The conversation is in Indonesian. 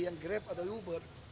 yang grab atau uber